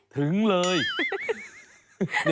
ถึงเลย